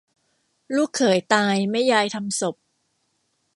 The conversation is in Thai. ลูกเขยตายแม่ยายทำศพ